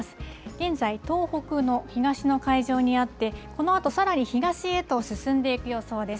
現在、東北の東の海上にあって、このあとさらに東へと進んでいく予想です。